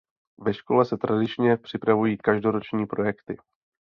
Ve škole se tradičně připravují každoroční projekty.